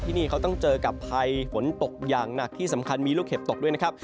นี่เขาต้องเจอกับภัยฝนตกอย่างหนักที่สำคัญมีลูกเห็บตกด้วยนะครับ